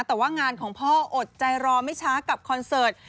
แต่ว่างานของพ่ออดใจรอไม่ช้ากับคอนเสิร์ต